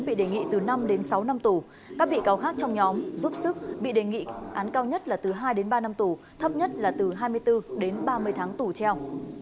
bị đề nghị từ năm đến sáu năm tù các bị cáo khác trong nhóm giúp sức bị đề nghị án cao nhất là từ hai đến ba năm tù thấp nhất là từ hai mươi bốn đến ba mươi tháng tù treo